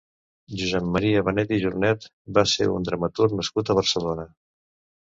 Josep Maria Benet i Jornet va ser un dramaturg nascut a Barcelona.